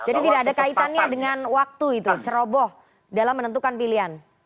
jadi tidak ada kaitannya dengan waktu itu ceroboh dalam menentukan pilihan